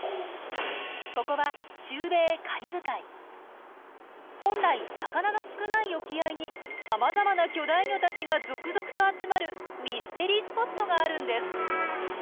ここは本来魚の少ない沖合にさまざまな巨大魚たちが続々と集まるミステリースポットがあるんです！